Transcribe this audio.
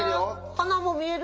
花も見える？